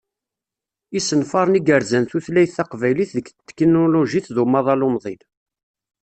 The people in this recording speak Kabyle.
Isenfaren i yerzan tutlayt taqbaylit deg tetiknulujit d umaḍal umḍin.